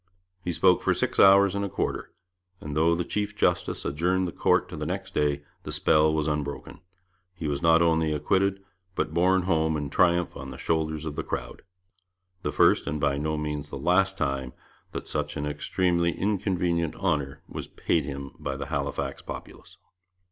He spoke for six hours and a quarter, and though the chief justice adjourned the court to the next day, the spell was unbroken. He was not only acquitted, but borne home in triumph on the shoulders of the crowd, the first, but by no means the last, time that such an extremely inconvenient honour was paid him by the Halifax populace.